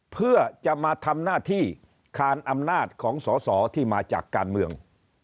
เพื่อจะมาทำหน้าที่คานอำนาจของสอสอที่มาจากการเมือง